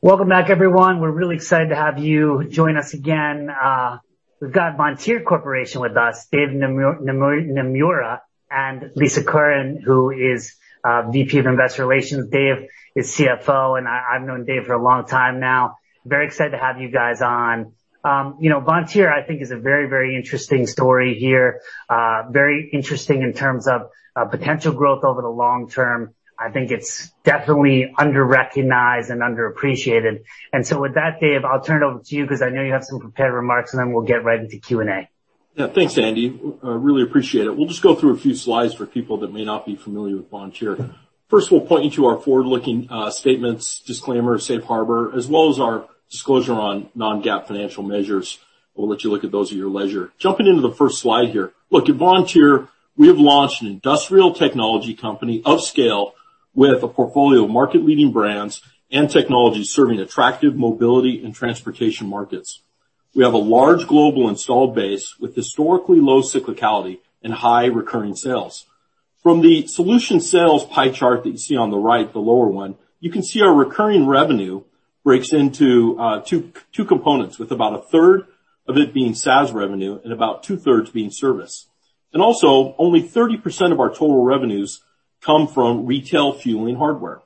Welcome back, everyone. We're really excited to have you join us again. We've got Vontier Corporation with us, Dave Naemura, and Lisa Curran, who is VP of Investor Relations. Dave is CFO. I've known Dave for a long time now. Very excited to have you guys on. Vontier, I think is a very interesting story here. Very interesting in terms of potential growth over the long term. I think it's definitely under-recognized and underappreciated. With that, Dave, I'll turn it over to you because I know you have some prepared remarks, and then we'll get right into Q&A. Yeah. Thanks, Andy. Really appreciate it. We'll just go through a few slides for people that may not be familiar with Vontier. First of all, pointing to our forward-looking statements disclaimer, safe harbor, as well as our disclosure on non-GAAP financial measures. We'll let you look at those at your leisure. Jumping into the first slide here. Look, at Vontier, we have launched an industrial technology company of scale with a portfolio of market-leading brands and technologies serving attractive mobility and transportation markets. We have a large global installed base with historically low cyclicality and high recurring sales. From the solution sales pie chart that you see on the right, the lower one, you can see our recurring revenue breaks into two components, with about a 1/3 of it being SaaS revenue and about 2/3 being service. Also, only 30% of our total revenues come from retail fueling hardware.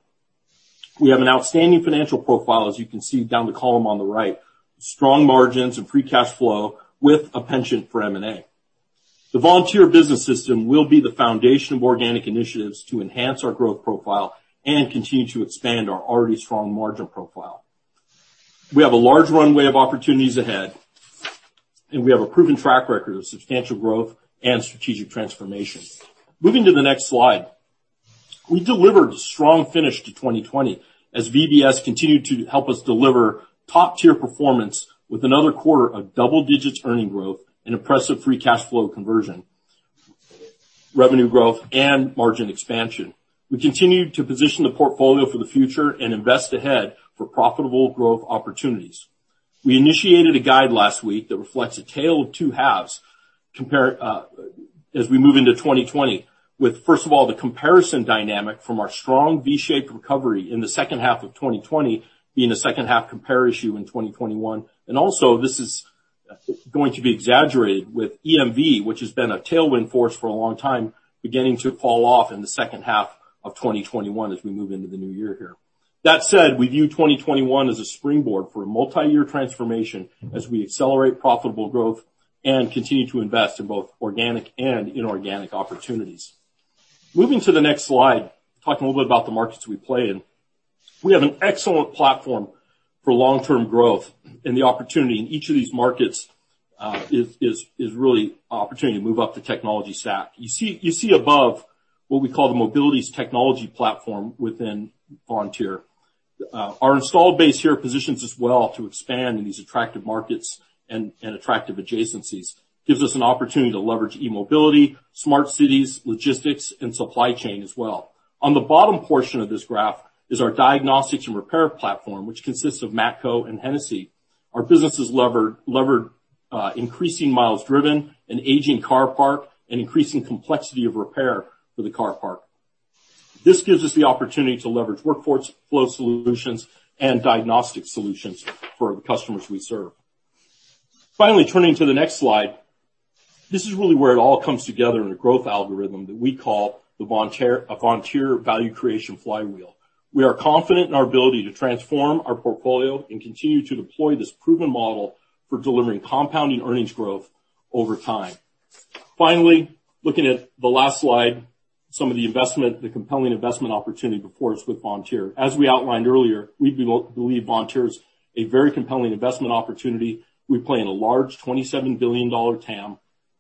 We have an outstanding financial profile, as you can see down the column on the right, strong margins and free cash flow with a penchant for M&A. The Vontier Business System will be the foundation of organic initiatives to enhance our growth profile and continue to expand our already strong margin profile. We have a large runway of opportunities ahead, and we have a proven track record of substantial growth and strategic transformation. Moving to the next slide. We delivered a strong finish to 2020 as VBS continued to help us deliver top-tier performance with another quarter of double digits earning growth and impressive free cash flow conversion, revenue growth, and margin expansion. We continued to position the portfolio for the future and invest ahead for profitable growth opportunities. We initiated a guide last week that reflects a tale of two halves as we move into 2020 with, first of all, the comparison dynamic from our strong V-shaped recovery in the second half of 2020 being a second half compare issue in 2021. Also, this is going to be exaggerated with EMV, which has been a tailwind force for a long time, beginning to fall off in the second half of 2021 as we move into the new year here. That said, we view 2021 as a springboard for a multi-year transformation as we accelerate profitable growth and continue to invest in both organic and inorganic opportunities. Moving to the next slide, talking a little bit about the markets we play in. We have an excellent platform for long-term growth, the opportunity in each of these markets is really opportunity to move up the technology stack. You see above what we call the mobility technology platform within Vontier. Our installed base here positions us well to expand in these attractive markets and attractive adjacencies. Gives us an opportunity to leverage e-mobility, smart cities, logistics, and supply chain as well. On the bottom portion of this graph is our diagnostics and repair platform, which consists of Matco and Hennessy. Our businesses lever increasing miles driven, an aging car park, and increasing complexity of repair for the car park. This gives us the opportunity to leverage workforce flow solutions and diagnostic solutions for the customers we serve. Finally, turning to the next slide. This is really where it all comes together in a growth algorithm that we call a Vontier Value Creation Flywheel. We are confident in our ability to transform our portfolio and continue to deploy this proven model for delivering compounding earnings growth over time. Finally, looking at the last slide, some of the investment, the compelling investment opportunity before us with Vontier. We outlined earlier, we believe Vontier is a very compelling investment opportunity. We play in a large $27 billion TAM.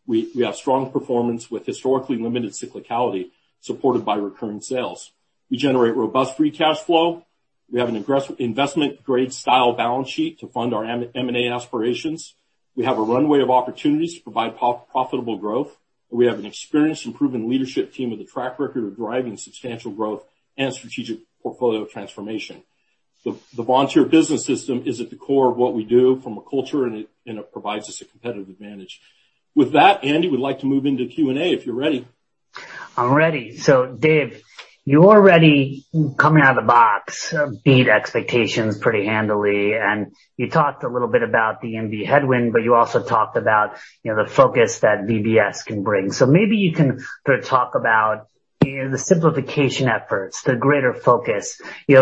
We have strong performance with historically limited cyclicality, supported by recurring sales. We generate robust free cash flow. We have an investment-grade style balance sheet to fund our M&A aspirations. We have a runway of opportunities to provide profitable growth. We have an experienced and proven leadership team with a track record of driving substantial growth and strategic portfolio transformation. The Vontier Business System is at the core of what we do from a culture, and it provides us a competitive advantage. With that, Andy, we'd like to move into Q&A if you're ready. I'm ready. Dave, you already coming out of the box, beat expectations pretty handily, and you talked a little bit about the EMV headwind, but you also talked about the focus that VBS can bring. Maybe you can talk about the simplification efforts, the greater focus, the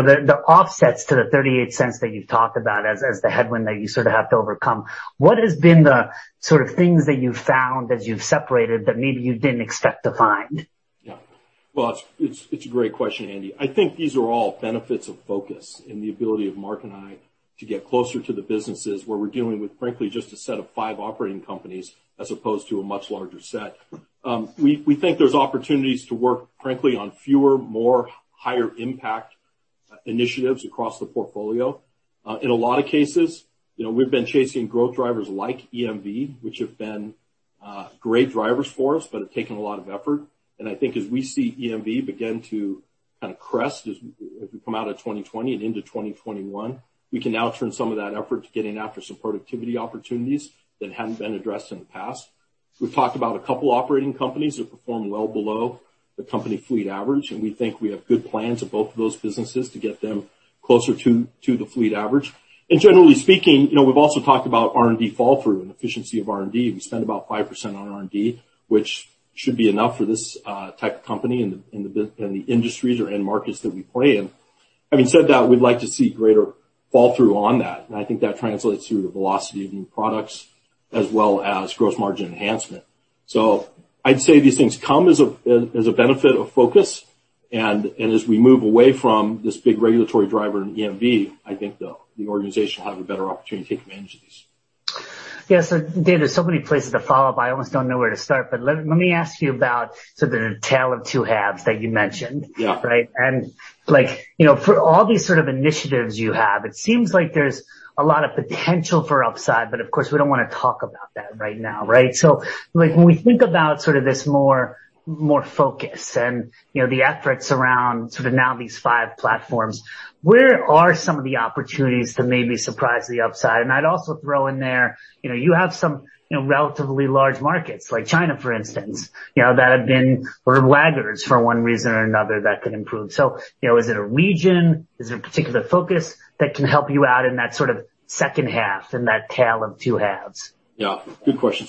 offsets to the $0.38 that you've talked about as the headwind that you sort of have to overcome. What has been the sort of things that you've found as you've separated that maybe you didn't expect to find? Yeah. Well, it's a great question, Andy. I think these are all benefits of focus and the ability of Mark and I to get closer to the businesses where we're dealing with, frankly, just a set of five operating companies as opposed to a much larger set. We think there's opportunities to work frankly on fewer, more higher impact initiatives across the portfolio. In a lot of cases, we've been chasing growth drivers like EMV, which have been great drivers for us, but have taken a lot of effort. I think as we see EMV begin to kind of crest as we come out of 2020 and into 2021, we can now turn some of that effort to getting after some productivity opportunities that hadn't been addressed in the past. We've talked about a couple operating companies that perform well below the company fleet average, and we think we have good plans at both of those businesses to get them closer to the fleet average. Generally speaking, we've also talked about R&D fall through and efficiency of R&D. We spend about 5% on R&D, which should be enough for this type of company in the industries or end markets that we play in. Having said that, we'd like to see greater fall through on that, and I think that translates to the velocity of new products as well as gross margin enhancement. I'd say these things come as a benefit of focus, and as we move away from this big regulatory driver in EMV, I think the organization will have a better opportunity to take advantage of these. Yeah. Dave, there's so many places to follow up, I almost don't know where to start. Let me ask you about sort of the tale of two halves that you mentioned. Yeah. Right. For all these sort of initiatives you have, it seems like there's a lot of potential for upside, but of course, we don't want to talk about that right now. Right? When we think about sort of this more focus and the efforts around sort of now these five platforms, where are some of the opportunities that maybe surprise the upside? I'd also throw in there, you have some relatively large markets like China, for instance, that have been sort of laggards for one reason or another that could improve. Is it a region? Is it a particular focus that can help you out in that sort of second half in that tale of two halves? Yeah, good question.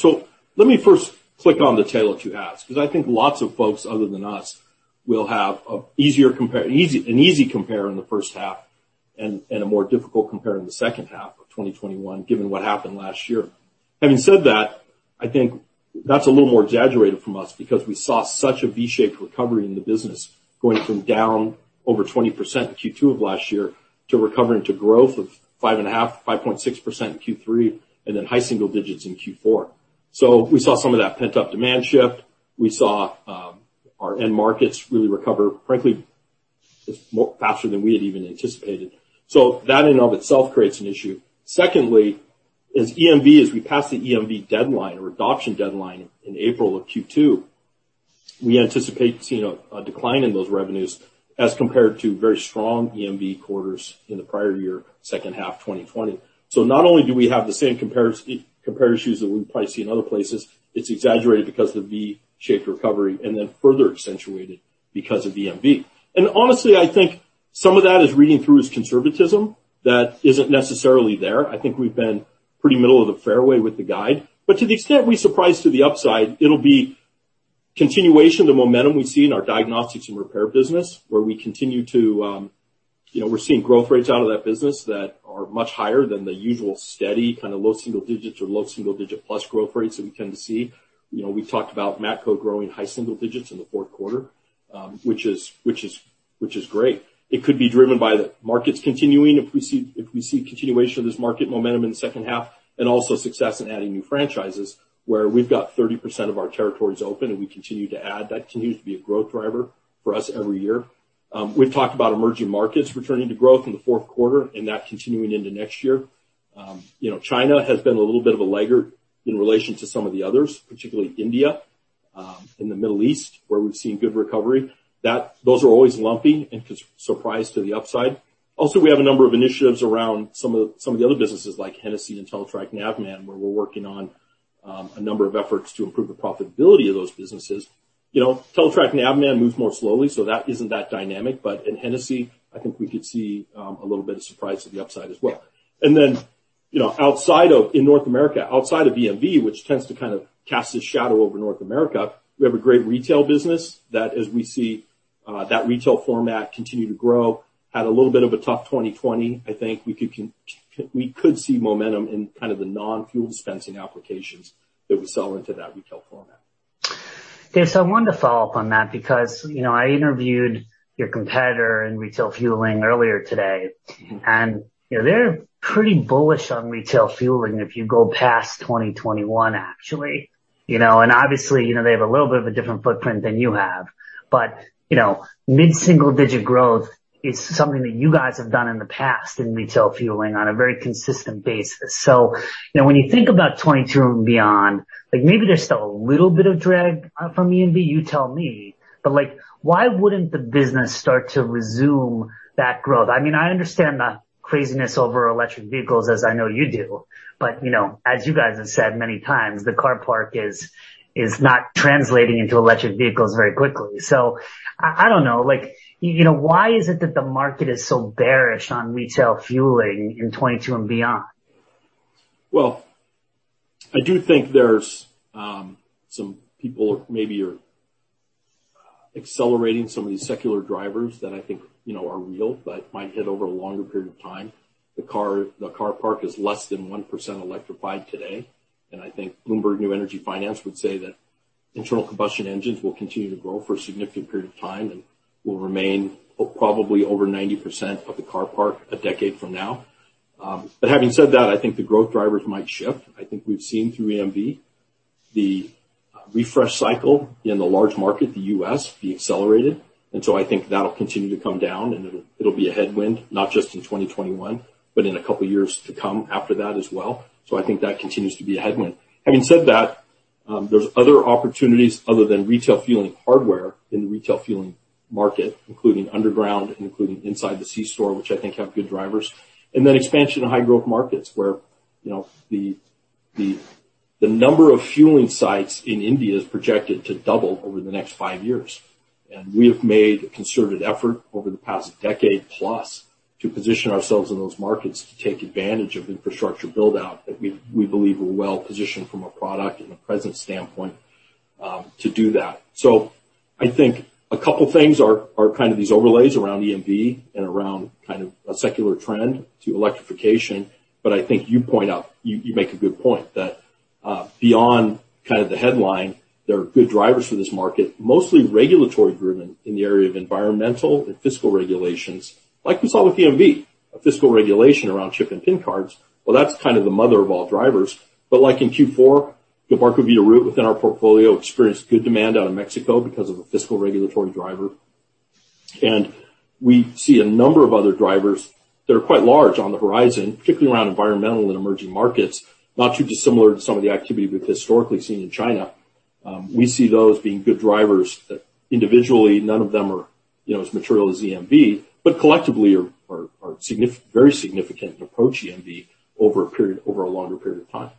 Let me first click on the tale of two halves, because I think lots of folks other than us will have an easy compare in the first half and a more difficult compare in the second half of 2021, given what happened last year. Having said that, I think that's a little more exaggerated from us because we saw such a V-shaped recovery in the business going from down over 20% in Q2 of last year to recovering to growth of 5.5%-5.6% in Q3, and then high single digits in Q4. We saw some of that pent-up demand shift. We saw our end markets really recover, frankly, faster than we had even anticipated. That in and of itself creates an issue. Secondly, as EMV, as we pass the EMV deadline or adoption deadline in April of Q2, we anticipate seeing a decline in those revenues as compared to very strong EMV quarters in the prior year, second half 2020. Not only do we have the same compare issues that we probably see in other places, it's exaggerated because of the V-shaped recovery and then further accentuated because of EMV. Honestly, I think some of that is reading through as conservatism that isn't necessarily there. I think we've been pretty middle of the fairway with the guide. To the extent we surprise to the upside, it'll be continuation, the momentum we see in our diagnostics and repair business, where we're seeing growth rates out of that business that are much higher than the usual steady kind of low single digits or low single-digit plus growth rates that we tend to see. We've talked about Matco growing high single digits in the fourth quarter, which is great. It could be driven by the markets continuing, if we see continuation of this market momentum in the second half, and also success in adding new franchises where we've got 30% of our territories open and we continue to add. That continues to be a growth driver for us every year. We've talked about emerging markets returning to growth in the fourth quarter and that continuing into next year. China has been a little bit of a lagger in relation to some of the others, particularly India and the Middle East, where we've seen good recovery. Those are always lumpy and could surprise to the upside. We have a number of initiatives around some of the other businesses like Hennessy and Teletrac Navman, where we're working on a number of efforts to improve the profitability of those businesses. Teletrac Navman moves more slowly, so that isn't that dynamic. In Hennessy, I think we could see a little bit of surprise to the upside as well. In North America, outside of EMV, which tends to kind of cast a shadow over North America, we have a great retail business that as we see that retail format continue to grow, had a little bit of a tough 2020. I think we could see momentum in kind of the non-fuel dispensing applications that we sell into that retail format. Yeah. I wanted to follow up on that because I interviewed your competitor in retail fueling earlier today, and they're pretty bullish on retail fueling if you go past 2021, actually. Obviously, they have a little bit of a different footprint than you have. Mid-single digit growth is something that you guys have done in the past in retail fueling on a very consistent basis. When you think about 2022 and beyond, maybe there's still a little bit of drag from EMV, you tell me. Why wouldn't the business start to resume that growth? I understand the craziness over electric vehicles as I know you do. As you guys have said many times, the car park is not translating into electric vehicles very quickly. I don't know. Why is it that the market is so bearish on retail fueling in 2022 and beyond? I do think there's some people maybe are accelerating some of these secular drivers that I think are real, but might hit over a longer period of time. The car park is less than 1% electrified today, and I think Bloomberg New Energy Finance would say that internal combustion engines will continue to grow for a significant period of time and will remain probably over 90% of the car park a decade from now. Having said that, I think the growth drivers might shift. I think we've seen through EMV, the refresh cycle in the large market, the U.S., be accelerated, and so I think that'll continue to come down and it'll be a headwind, not just in 2021, but in a couple of years to come after that as well. I think that continues to be a headwind. Having said that, there's other opportunities other than retail fueling hardware in the retail fueling market, including underground, including inside the c-store, which I think have good drivers. Expansion in high growth markets where the number of fueling sites in India is projected to double over the next five years. We have made a concerted effort over the past decade plus to position ourselves in those markets to take advantage of infrastructure build-out that we believe we're well-positioned from a product and a presence standpoint to do that. I think a couple things are kind of these overlays around EMV and around kind of a secular trend to electrification. I think you make a good point that beyond kind of the headline, there are good drivers for this market, mostly regulatory driven in the area of environmental and fiscal regulations, like we saw with EMV, a fiscal regulation around Chip and PIN cards. That's kind of the mother of all drivers. Like in Q4, Gilbarco Veeder-Root within our portfolio experienced good demand out of Mexico because of a fiscal regulatory driver. We see a number of other drivers that are quite large on the horizon, particularly around environmental and emerging markets, not too dissimilar to some of the activity we've historically seen in China. We see those being good drivers. Individually, none of them are as material as EMV, but collectively are very significant and approach EMV over a longer period of time.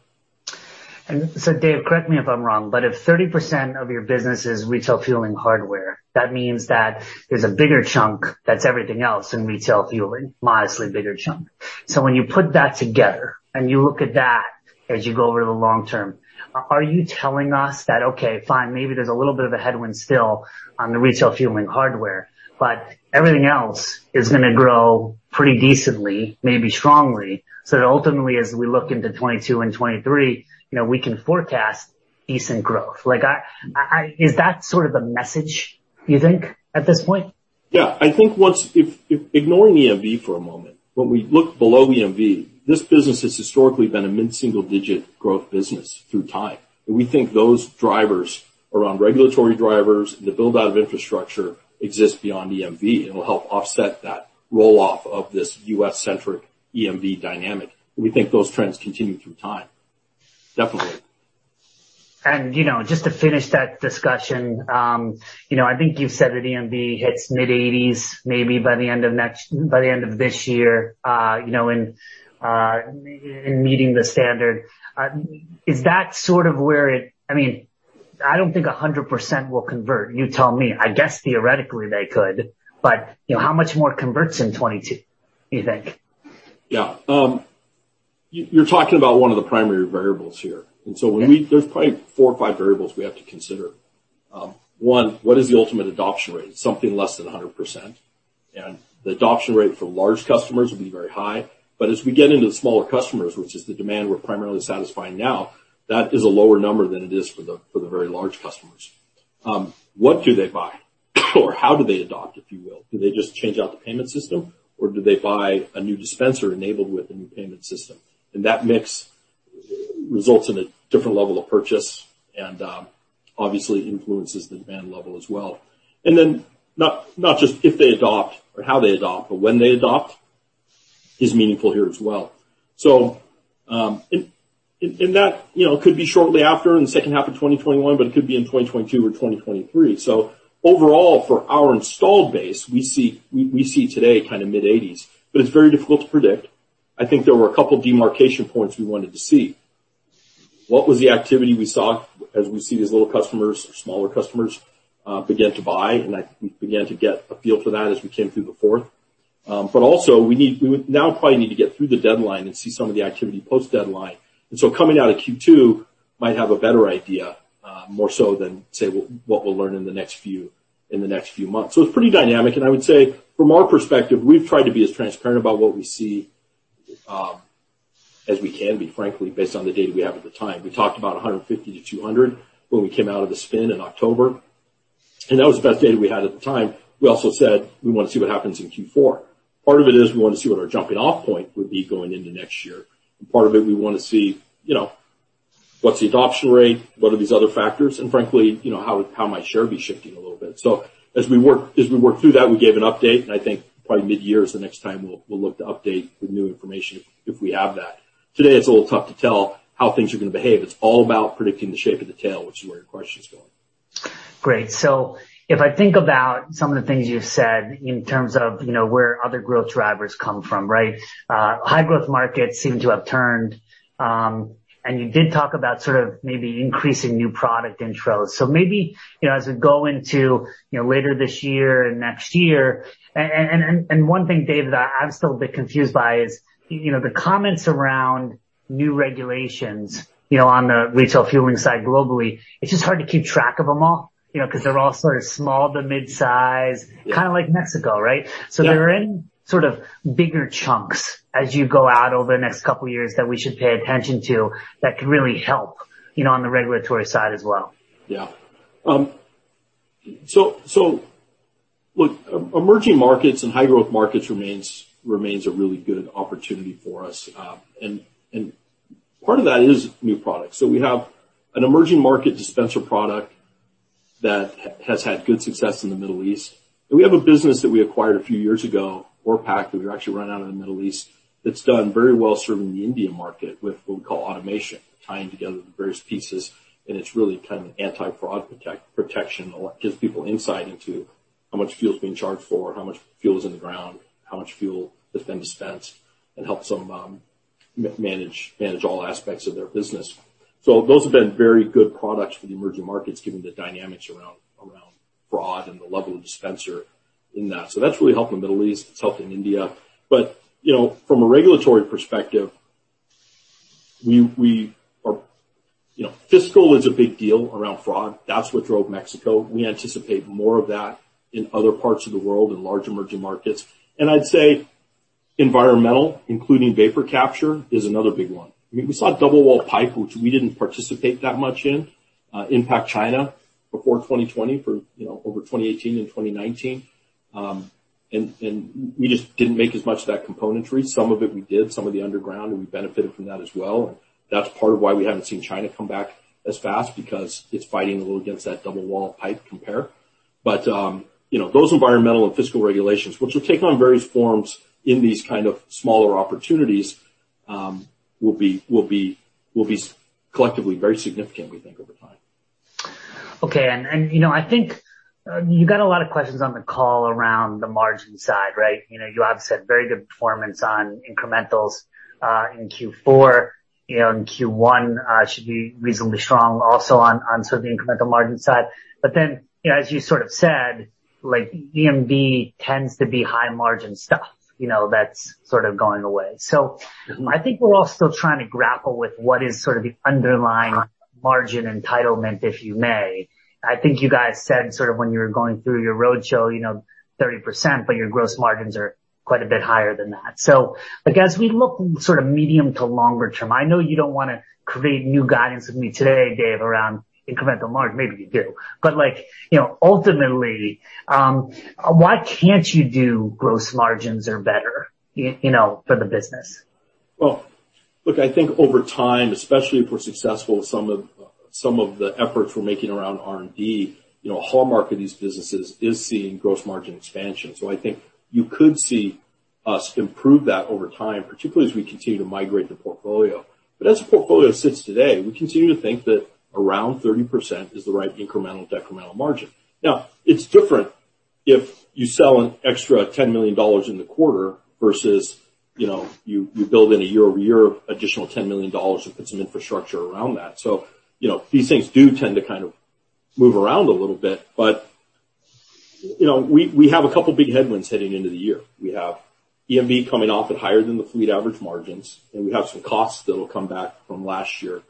Dave, correct me if I'm wrong, but if 30% of your business is retail fueling hardware, that means that there's a bigger chunk that's everything else in retail fueling, modestly bigger chunk. When you put that together and you look at that as you go over the long term, are you telling us that, okay, fine, maybe there's a little bit of a headwind still on the retail fueling hardware, but everything else is going to grow pretty decently, maybe strongly, so that ultimately, as we look into 2022 and 2023, we can forecast decent growth? Is that sort of the message you think at this point? Yeah. I think ignoring EMV for a moment, when we look below EMV, this business has historically been a mid-single digit growth business through time. We think those drivers around regulatory drivers and the build-out of infrastructure exists beyond EMV and will help offset that roll-off of this U.S.-centric EMV dynamic. We think those trends continue through time. Definitely. Just to finish that discussion, I think you've said that EMV hits mid-80s maybe by the end of this year in meeting the standard. I don't think 100% will convert. You tell me. I guess theoretically they could, but how much more converts in 2022, you think? Yeah. You're talking about one of the primary variables here. There's probably four or five variables we have to consider. One, what is the ultimate adoption rate? Something less than 100%. The adoption rate for large customers will be very high. As we get into the smaller customers, which is the demand we're primarily satisfying now, that is a lower number than it is for the very large customers. What do they buy? How do they adopt, if you will? Do they just change out the payment system, or do they buy a new dispenser enabled with a new payment system? That mix results in a different level of purchase and obviously influences the demand level as well. Not just if they adopt or how they adopt, but when they adopt is meaningful here as well. That could be shortly after in the second half of 2021, but it could be in 2022 or 2023. Overall, for our installed base, we see today kind of mid-80s, but it's very difficult to predict. I think there were a couple of demarcation points we wanted to see. What was the activity we saw as we see these little customers or smaller customers begin to buy? I think we began to get a feel for that as we came through the fourth. Also, we now probably need to get through the deadline and see some of the activity post-deadline. Coming out of Q2 might have a better idea, more so than, say, what we'll learn in the next few months. It's pretty dynamic, and I would say from our perspective, we've tried to be as transparent about what we see as we can be, frankly, based on the data we have at the time. We talked about 150-200 when we came out of the spin in October, and that was the best data we had at the time. We also said we want to see what happens in Q4. Part of it is we want to see what our jumping off point would be going into next year. Part of it, we want to see what's the adoption rate, what are these other factors, and frankly, how might share be shifting a little bit. As we worked through that, we gave an update, and I think probably mid-year is the next time we'll look to update with new information if we have that. Today it's a little tough to tell how things are going to behave. It's all about predicting the shape of the tail, which is where your question is going. Great. If I think about some of the things you've said in terms of where other growth drivers come from, right? High growth markets seem to have turned, and you did talk about sort of maybe increasing new product intros. Maybe as we go into later this year and next year, and one thing, Dave, that I'm still a bit confused by is the comments around new regulations on the retail fueling side globally. It's just hard to keep track of them all because they're all sort of small to mid-size, kind of like Mexico, right? Yeah. Are there any sort of bigger chunks as you go out over the next couple years that we should pay attention to that could really help on the regulatory side as well? Yeah. Look, emerging markets and high growth markets remains a really good opportunity for us. Part of that is new products. We have an emerging market dispenser product that has had good success in the Middle East, and we have a business that we acquired a few years ago, Orpak, that we actually run out of the Middle East, that's done very well serving the Indian market with what we call automation, tying together the various pieces, and it's really kind of an anti-fraud protection. Gives people insight into how much fuel is being charged for? How much fuel is in the ground? How much fuel has been dispensed? Helps them manage all aspects of their business. Those have been very good products for the emerging markets, given the dynamics around fraud and the level of dispenser in that. That's really helped the Middle East. It's helped in India. From a regulatory perspective, fiscal is a big deal around fraud. That's what drove Mexico. We anticipate more of that in other parts of the world, in large emerging markets. I'd say environmental, including vapor capture, is another big one. We saw double wall pipe, which we didn't participate that much in, impact China before 2020 for over 2018 and 2019. We just didn't make as much of that componentry. Some of it we did, some of the underground, we benefited from that as well, that's part of why we haven't seen China come back as fast because it's fighting a little against that double wall pipe compare. Those environmental and fiscal regulations, which will take on various forms in these kind of smaller opportunities, will be collectively very significant, we think over time. Okay. I think you got a lot of questions on the call around the margin side, right? You have said very good performance on incrementals in Q4, in Q1 should be reasonably strong also on sort of the incremental margin side. As you sort of said, like EMV tends to be high margin stuff that's sort of going away. I think we're all still trying to grapple with what is sort of the underlying margin entitlement, if you may. I think you guys said sort of when you were going through your roadshow, 30%, but your gross margins are quite a bit higher than that. As we look sort of medium to longer term, I know you don't want to create new guidance with me today, Dave, around incremental margin. Maybe you do. Like ultimately, why can't you do gross margins or better for the business? Look, I think over time, especially if we're successful with some of the efforts we're making around R&D, hallmark of these businesses is seeing gross margin expansion. I think you could see us improve that over time, particularly as we continue to migrate the portfolio. As the portfolio sits today, we continue to think that around 30% is the right incremental, decremental margin. It's different if you sell an extra $10 million in the quarter versus you build in a year-over-year additional $10 million if it's an infrastructure around that. These things do tend to kind of move around a little bit. We have a couple big headwinds heading into the year. We have EMV coming off at higher than the fleet average margins. We have some costs that'll come back from last year,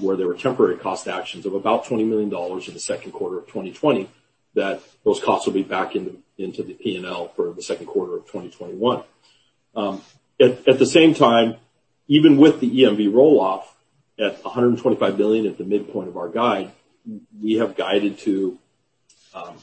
where there were temporary cost actions of about $20 million in the second quarter of 2020, that those costs will be back into the P&L for the second quarter of 2021. At the same time, even with the EMV roll-off at $125 billion at the midpoint of our guide, we have guided to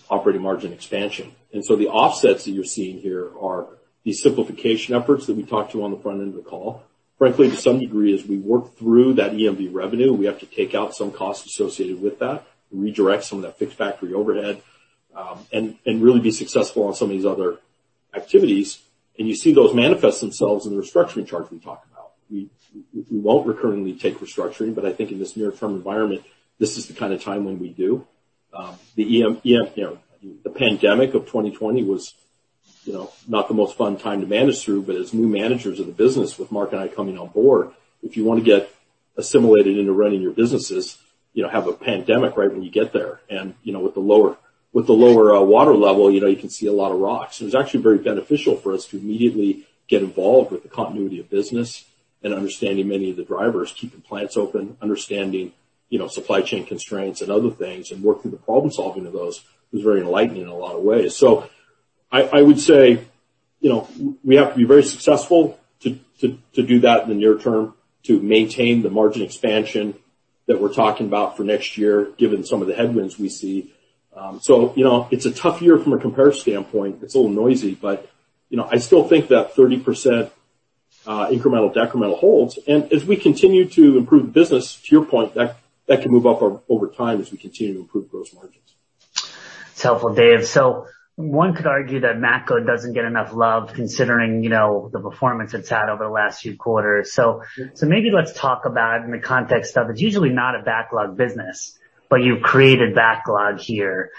operating margin expansion. The offsets that you're seeing here are the simplification efforts that we talked to on the front end of the call. Frankly, to some degree, as we work through that EMD revenue, we have to take out some costs associated with that and redirect some of that fixed factory overhead, and really be successful on some of these other activities. You see those manifest themselves in the restructuring charge we talked about. We won't recurrently take restructuring, but I think in this near-term environment, this is the kind of time when we do. The pandemic of 2020 was not the most fun time to manage through, but as new managers of the business with Mark and I coming on board, if you want to get assimilated into running your businesses, have a pandemic right when you get there. With the lower water level, you can see a lot of rocks. It's actually very beneficial for us to immediately get involved with the continuity of business and understanding many of the drivers, keeping plants open, understanding supply chain constraints and other things, and work through the problem-solving of those was very enlightening in a lot of ways. I would say we have to be very successful to do that in the near term to maintain the margin expansion that we're talking about for next year, given some of the headwinds we see. It's a tough year from a compare standpoint. It's a little noisy, but I still think that 30% incremental decremental holds. As we continue to improve business, to your point, that can move up over time as we continue to improve gross margins. It's helpful, Dave. One could argue that Matco doesn't get enough love considering the performance it's had over the last few quarters. Maybe let's talk about in the context of it's usually not a backlog business, but you've created backlog here.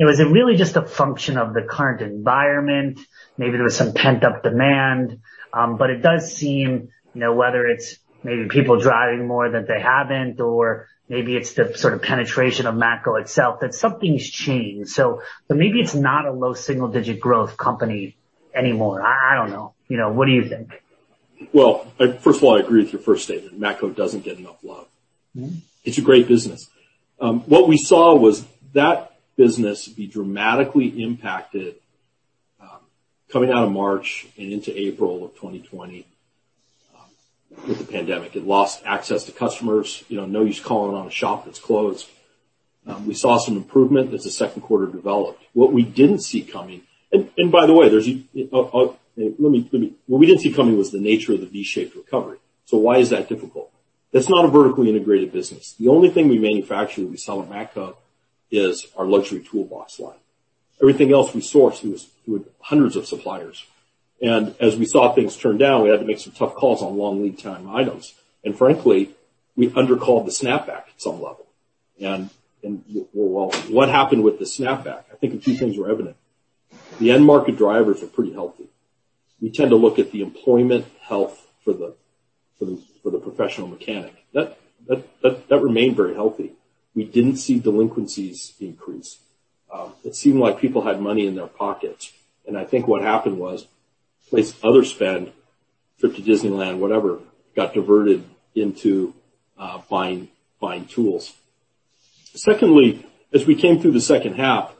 Was it really just a function of the current environment? Maybe there was some pent-up demand. It does seem whether it's maybe people driving more than they haven't, or maybe it's the sort of penetration of Matco itself, that something's changed. Maybe it's not a low single digit growth company anymore. I don't know. What do you think? Well, first of all, I agree with your first statement. Matco doesn't get enough love. It's a great business. What we saw was that business be dramatically impacted coming out of March and into April of 2020 with the pandemic. It lost access to customers. No use calling on a shop that's closed. We saw some improvement as the second quarter developed. What we didn't see coming. By the way, what we didn't see coming was the nature of the V-shaped recovery. Why is that difficult? That's not a vertically integrated business. The only thing we manufacture that we sell at Matco is our luxury toolbox line. Everything else we source through hundreds of suppliers. As we saw things turn down, we had to make some tough calls on long lead time items. Frankly, we under-called the snapback at some level. Well, what happened with the snapback? I think a few things were evident. The end market drivers are pretty healthy. We tend to look at the employment health for the professional mechanic. That remained very healthy. We didn't see delinquencies increase. It seemed like people had money in their pockets, and I think what happened was place other spend, trip to Disneyland, whatever, got diverted into buying tools. Secondly, as we came through the second half,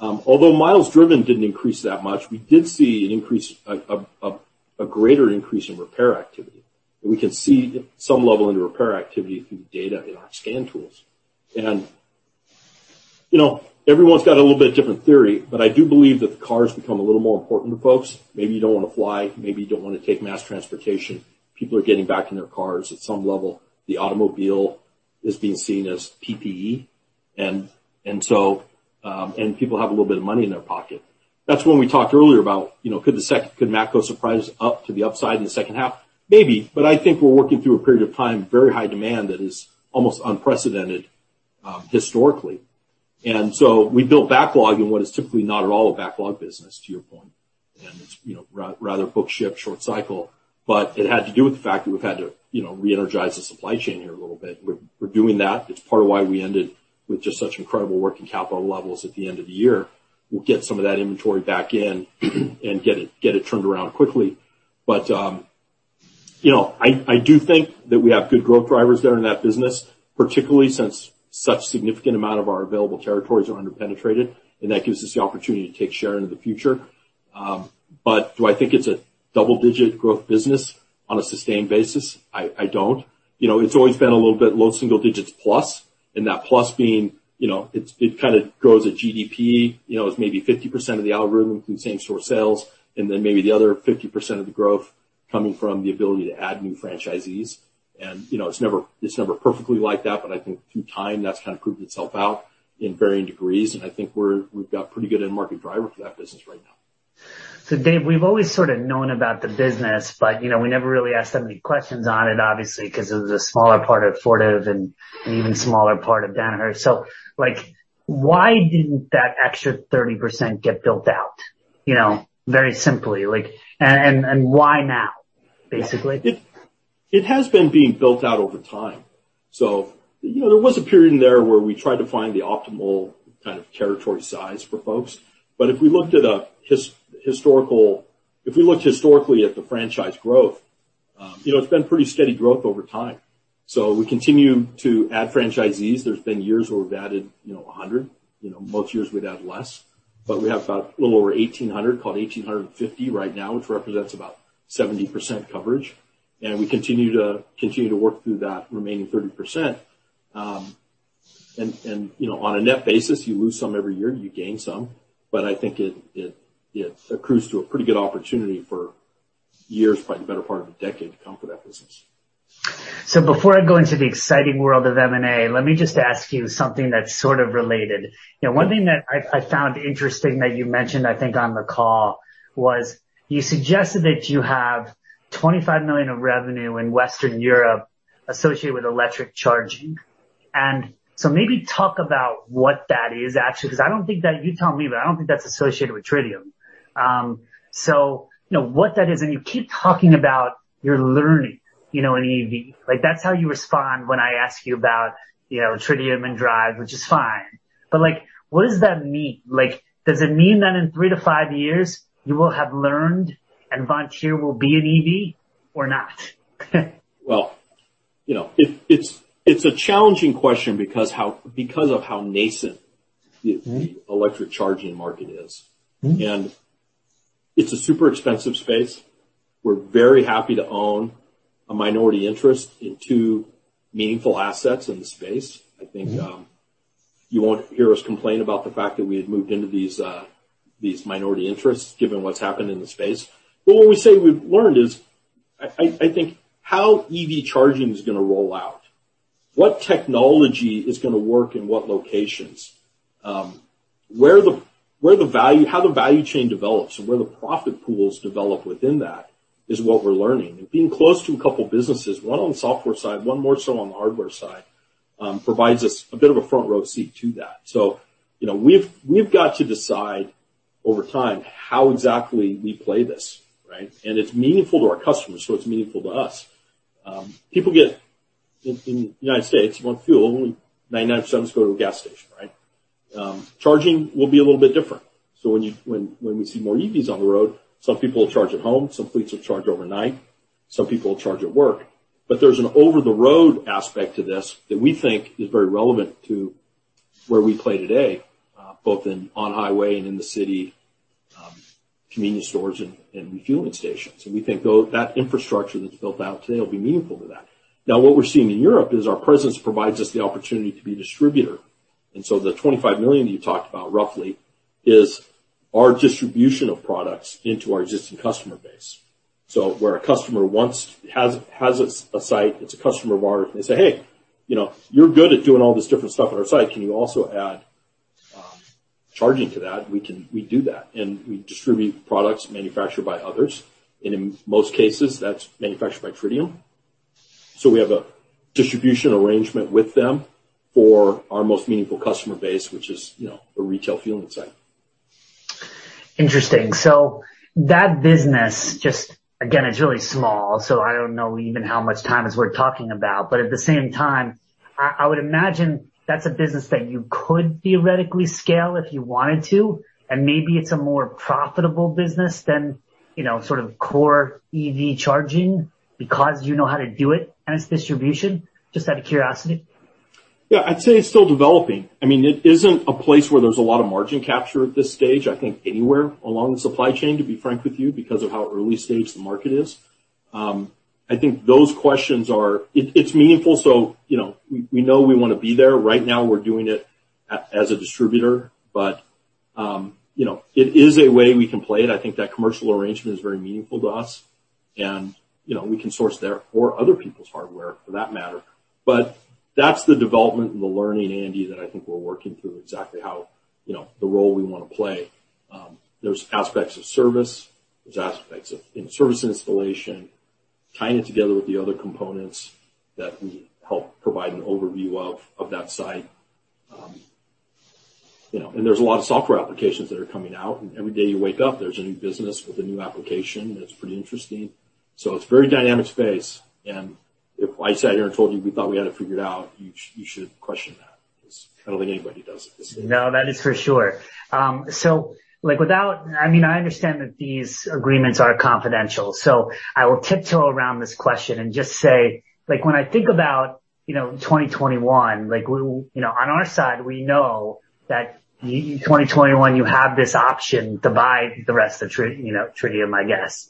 although miles driven didn't increase that much, we did see a greater increase in repair activity. We could see some level of repair activity through the data in our scan tools. Everyone's got a little bit different theory, but I do believe that the car's become a little more important to folks. Maybe you don't want to fly, maybe you don't want to take mass transportation. People are getting back in their cars at some level. The automobile is being seen as PPE, and people have a little bit of money in their pocket. That's when we talked earlier about, could Matco surprise up to the upside in the second half? Maybe. I think we're working through a period of time, very high demand that is almost unprecedented historically. We built backlog in what is typically not at all a backlog business, to your point, it's rather book, ship, short cycle. It had to do with the fact that we've had to re-energize the supply chain here a little bit. We're doing that. It's part of why we ended with just such incredible working capital levels at the end of the year. We'll get some of that inventory back in and get it turned around quickly. I do think that we have good growth drivers there in that business, particularly since such significant amount of our available territories are under-penetrated, and that gives us the opportunity to take share into the future. Do I think it's a double-digit growth business on a sustained basis? I don't. It's always been a little bit low single digits plus, and that plus being, it kind of grows at GDP, is maybe 50% of the algorithm from same store sales, and then maybe the other 50% of the growth coming from the ability to add new franchisees. It's never perfectly like that, but I think through time, that's kind of proved itself out in varying degrees, and I think we've got pretty good end market driver for that business right now. Dave, we've always sort of known about the business, but we never really asked that many questions on it, obviously, because it was a smaller part of Fortive and an even smaller part of Danaher. Why didn't that extra 30% get built out, very simply? Why now, basically? It has been being built out over time. There was a period in there where we tried to find the optimal kind of territory size for folks. If we looked historically at the franchise growth, it's been pretty steady growth over time. We continue to add franchisees. There's been years where we've added 100. Most years we'd add less. We have about a little over 1,800, call it 1,850 right now, which represents about 70% coverage, and we continue to work through that remaining 30%. On a net basis, you lose some every year, you gain some. I think it accrues to a pretty good opportunity for years, probably the better part of a decade to come for that business. Before I go into the exciting world of M&A, let me just ask you something that's sort of related. One thing that I found interesting that you mentioned, I think on the call, was you suggested that you have $25 million of revenue in Western Europe associated with electric charging. Maybe talk about what that is actually, because I don't think that, you tell me, but I don't think that's associated with Tritium. What that is, and you keep talking about you're learning in EV. Like that's how you respond when I ask you about Tritium and Driivz, which is fine. What does that mean? Does it mean that in three to five years, you will have learned and Vontier will be an EV or not? Well, it's a challenging question because of how nascent the electric charging market is. It's a super expensive space. We're very happy to own a minority interest in two meaningful assets in the space. I think you won't hear us complain about the fact that we had moved into these minority interests given what's happened in the space. What we say we've learned is, I think how EV charging is going to roll out, what technology is going to work in what locations? How the value chain develops and where the profit pools develop within that is what we're learning. Being close to a couple businesses, one on the software side, one more so on the hardware side, provides us a bit of a front row seat to that. We've got to decide over time how exactly we play this, right? It's meaningful to our customers, so it's meaningful to us. People get, in the United States, you want fuel, 99.7% go to a gas station, right? Charging will be a little bit different. When we see more EVs on the road, some people will charge at home, some fleets will charge overnight, some people will charge at work. There's an over the road aspect to this that we think is very relevant to where we play today, both in on highway and in the city, convenience stores and refueling stations. We think that infrastructure that's built out today will be meaningful to that. What we're seeing in Europe is our presence provides us the opportunity to be a distributor. The $25 million you talked about roughly is our distribution of products into our existing customer base. Where a customer has a site that's a customer of ours, and they say, "Hey, you're good at doing all this different stuff at our site. If you also add charging for that, we do that, and we distribute products manufactured by others. In most cases, that's manufactured by Tritium. We have a distribution arrangement with them for our most meaningful customer base, which is the retail fueling side. Interesting. That business just, again, is really small, so I don't know even how much time is worth talking about. At the same time, I would imagine that's a business that you could theoretically scale if you wanted to, and maybe it's a more profitable business than sort of core EV charging because you know how to do it and its distribution, just out of curiosity. I'd say it's still developing. It isn't a place where there's a lot of margin capture at this stage, I think anywhere along the supply chain, to be frank with you, because of how early stage the market is. I think those questions are. It's meaningful, so we know we want to be there. Right now, we're doing it as a distributor. It is a way we can play it. I think that commercial arrangement is very meaningful to us, and we can source there or other people's hardware for that matter. That's the development and the learning, Andy, that I think we're working through exactly how the role we want to play. There's aspects of service, there's aspects of service installation, tying it together with the other components that we help provide an overview of that site. There's a lot of software applications that are coming out, and every day you wake up, there's a new business with a new application that's pretty interesting. It's a very dynamic space. If I sat here and told you we thought we had it figured out, you should question that because I don't think anybody does at this point. No, that is for sure. I understand that these agreements are confidential, so I will tiptoe around this question and just say, when I think about 2021, on our side, we know that 2021 you have this option to buy the rest of Tritium, I guess.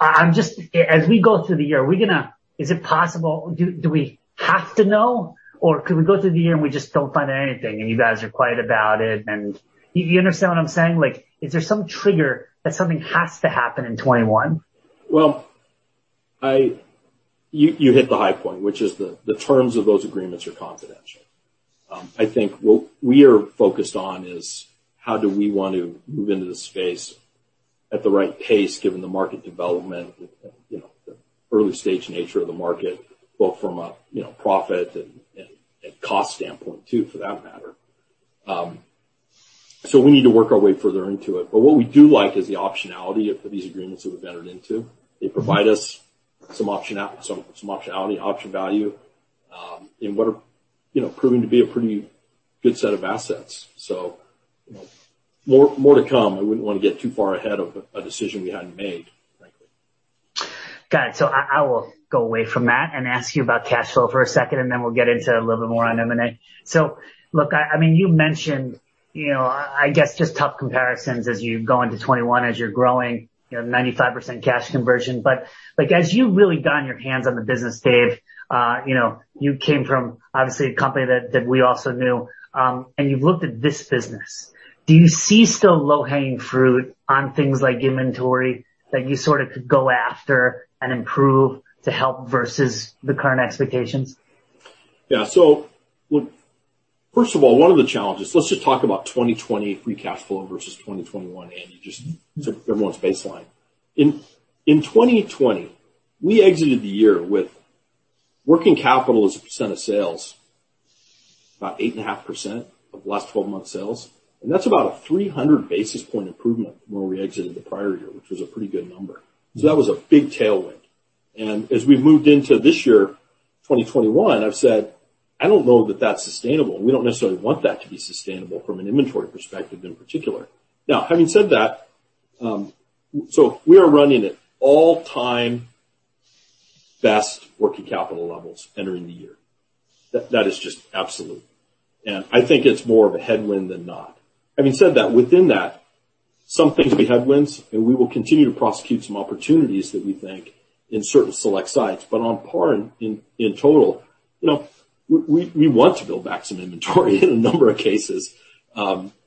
As we go through the year, do we have to know, or could we go through the year and we just don't find out anything and you guys are quiet about it and Do you understand what I'm saying? Is there some trigger that something has to happen in 2021? You hit the high point, which is the terms of those agreements are confidential. I think what we are focused on is how do we want to move into the space at the right pace given the market development, the early-stage nature of the market, both from a profit and cost standpoint, too, for that matter. We need to work our way further into it. What we do like is the optionality of these agreements that we've entered into. They provide us some optionality, option value, in what are proving to be a pretty good set of assets. More to come. I wouldn't want to get too far ahead of a decision we hadn't made, frankly. Got it. I will go away from that and ask you about cash flow for a second, and then we'll get into a little bit more on M&A. Look, you mentioned, I guess just tough comparisons as you go into 2021, as you're growing, you have 95% cash conversion. As you've really gotten your hands on the business, Dave, you came from obviously a company that we also knew, and you've looked at this business. Do you see still low-hanging fruit on things like inventory that you sort of could go after and improve to help versus the current expectations? Yeah. Look, first of all, one of the challenges, let's just talk about 2020 free cash flow versus 2021, Andy, just to everyone's baseline. In 2020, we exited the year with working capital as a percent of sales, about 8.5% of last 12 months sales. That's about a 300 basis point improvement from where we exited the prior year, which was a pretty good number. As we've moved into this year, 2021, I've said, I don't know that that's sustainable. We don't necessarily want that to be sustainable from an inventory perspective in particular. Now, having said that, we are running at all-time best working capital levels entering the year. That is just absolute. I think it's more of a headwind than not. Having said that, within that, some things will be headwinds, and we will continue to prosecute some opportunities that we think in certain select sites. On par and in total, we want to build back some inventory in a number of cases,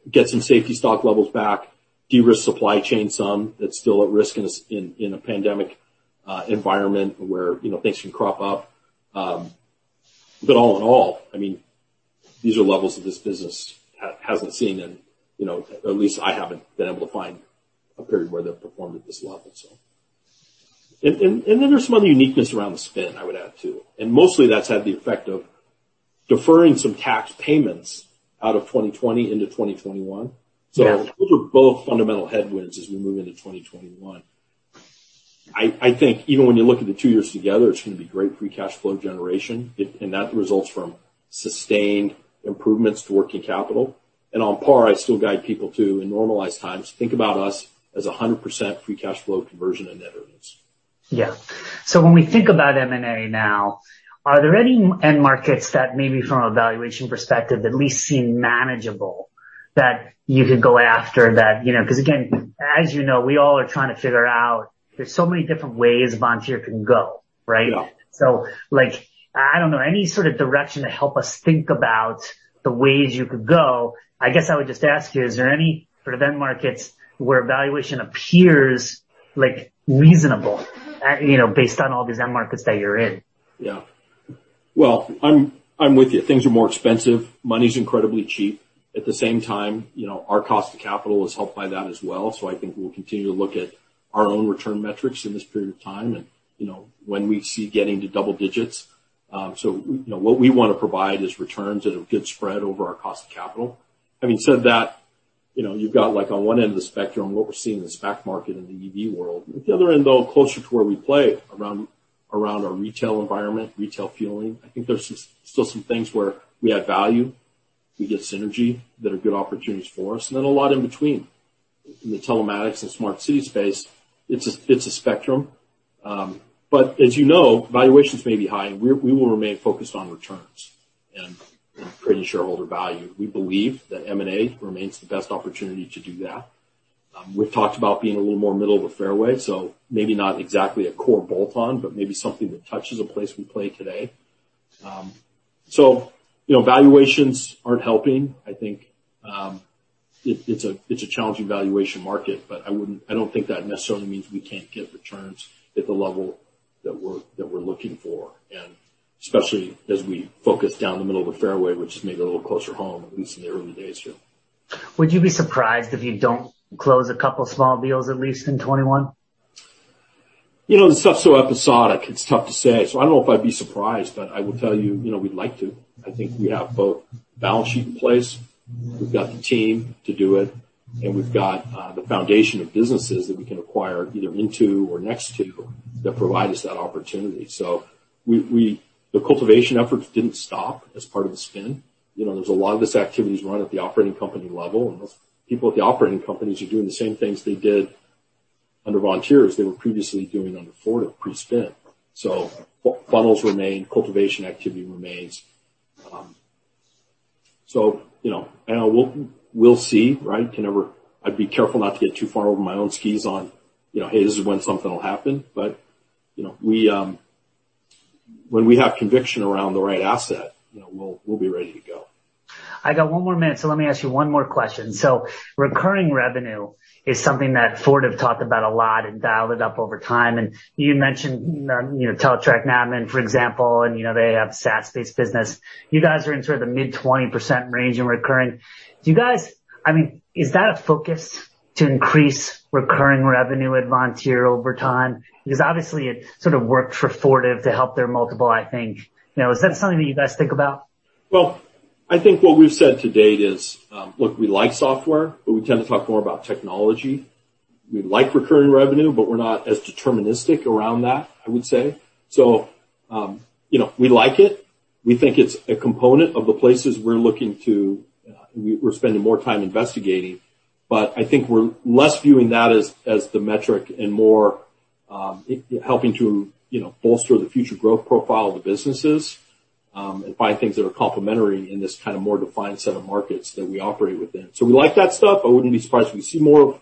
get some safety stock levels back, de-risk supply chain some that's still at risk in a pandemic environment where things can crop up. All in all, these are levels that this business hasn't seen in, at least I haven't been able to find a period where they've performed at this level. Then there's some other uniqueness around the spin, I would add, too. Mostly that's had the effect of deferring some tax payments out of 2020 into 2021. Yes. Those are both fundamental headwinds as we move into 2021. I think even when you look at the two years together, it's going to be great free cash flow generation, and that results from sustained improvements to working capital. On par, I still guide people to, in normalized times, think about us as 100% free cash flow conversion in net earnings. Yeah. When we think about M&A now, are there any end markets that maybe from a valuation perspective, at least seem manageable that you could go after that? Again, as you know, we all are trying to figure out there's so many different ways Vontier can go, right? Yeah. I don't know, any sort of direction to help us think about the ways you could go. I guess I would just ask you, is there any sort of end markets where valuation appears reasonable based on all these end markets that you're in? Yeah. Well, I'm with you. Things are more expensive. Money's incredibly cheap. At the same time, our cost of capital is helped by that as well. I think we'll continue to look at our own return metrics in this period of time and when we see getting to double digits. What we want to provide is returns at a good spread over our cost of capital. Having said that, you've got on one end of the spectrum, what we're seeing in the SPAC market in the EV world. On the other end, though, closer to where we play around our retail environment, retail fueling, I think there's still some things where we add value, we get synergy that are good opportunities for us, and then a lot in between. In the telematics and smart city space, it's a spectrum. As you know, valuations may be high, and we will remain focused on returns and creating shareholder value. We believe that M&A remains the best opportunity to do that. We've talked about being a little more middle of a fairway, so maybe not exactly a core bolt-on, but maybe something that touches a place we play today. Valuations aren't helping. I think it's a challenging valuation market, but I don't think that necessarily means we can't get returns at the level that we're looking for, and especially as we focus down the middle of a fairway, which is maybe a little closer home, at least in the early days here. Would you be surprised if you don't close a couple small deals, at least, in 2021? The stuff's so episodic, it's tough to say. I don't know if I'd be surprised, but I will tell you, we'd like to. I think we have both balance sheet in place, we've got the team to do it, and we've got the foundation of businesses that we can acquire either into or next to that provide us that opportunity. The cultivation efforts didn't stop as part of the spin. There's a lot of this activity is run at the operating company level, and people at the operating companies are doing the same things they did under Vontier as they were previously doing under Fortive pre-spin. Funnels remain, cultivation activity remains. We'll see, right? I'd be careful not to get too far over my own skis on, "Hey, this is when something will happen." When we have conviction around the right asset, we'll be ready to go. I got one more minute, let me ask you one more question. Recurring revenue is something that Fortive talked about a lot and dialed it up over time. You mentioned Teletrac Navman, for example, and they have SaaS-based business. You guys are in sort of the mid 20% range in recurring. Is that a focus to increase recurring revenue at Vontier over time? Obviously, it sort of worked for Fortive to help their multiple, I think. Is that something that you guys think about? I think what we've said to date is, look, we like software, we tend to talk more about technology. We like recurring revenue, we're not as deterministic around that, I would say. We like it. We think it's a component of the places we're spending more time investigating. I think we're less viewing that as the metric and more helping to bolster the future growth profile of the businesses and find things that are complementary in this kind of more defined set of markets that we operate within. We like that stuff. I wouldn't be surprised if we see more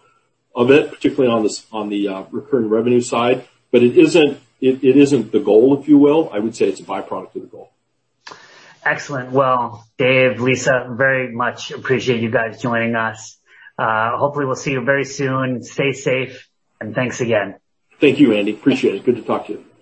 of it, particularly on the recurring revenue side. It isn't the goal, if you will. I would say it's a byproduct of the goal. Excellent. Well, Dave, Lisa, very much appreciate you guys joining us. Hopefully we'll see you very soon. Stay safe, and thanks again. Thank you, Andy. Appreciate it. Good to talk to you.